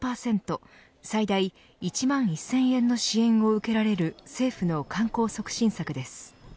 最大１万１０００円の支援を受けられる支援の観光促進策です。